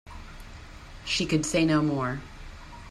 She could say no more.